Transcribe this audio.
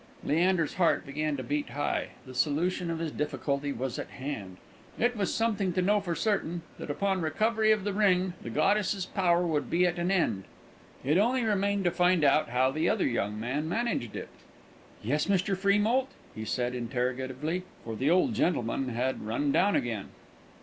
Leander's heart began to beat high; the solution of his difficulty was at hand. It was something to know for certain that upon recovery of the ring the goddess's power would be at an end. It only remained to find out how the other young man managed it. "Yes, Mr. Freemoult?" he said interrogatively; for the old gentleman had run down again.